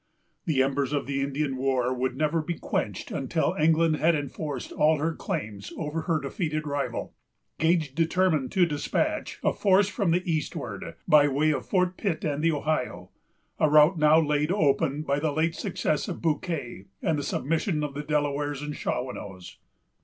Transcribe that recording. The embers of the Indian war would never be quenched until England had enforced all her claims over her defeated rival. Gage determined to despatch a force from the eastward, by way of Fort Pitt and the Ohio; a route now laid open by the late success of Bouquet, and the submission of the Delawares and Shawanoes.